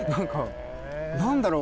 何だろう